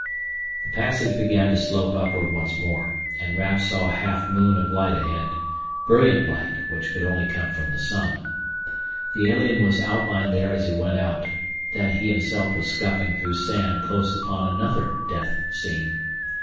The passage began to slope upward once more, and Raf saw a half moon of light ahead, brilliant light which could only come from the sun. The alien was outlined there as he went out; then he himself was scuffing through sand close upon another death scene.